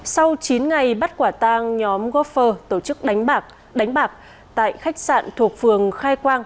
sau chín ngày bắt quả tang nhóm gopher tổ chức đánh bạc tại khách sạn thuộc phường khai quang